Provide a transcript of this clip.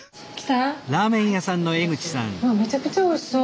うわめちゃくちゃおいしそう。